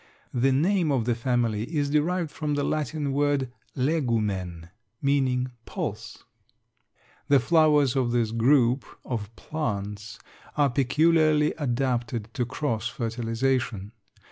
The name of the family is derived from the Latin word legumen, meaning pulse. The flowers of this group of plants are peculiarly adapted to cross fertilization.